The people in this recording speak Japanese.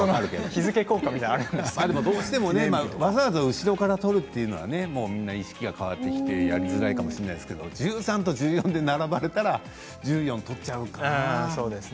どうしても、わざわざ後ろから取るというのはみんな意識が変わってきてやりづらいかもしれないですけど１３と１４と並ばれたら１４を取っちゃうかな。